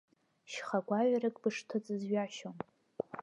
Шьха гәаҩарак бышҭыҵыз ҩашьом!